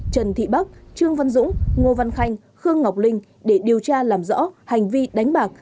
trần thị bắc trương văn dũng ngô văn khanh khương ngọc linh để điều tra làm rõ hành vi đánh bạc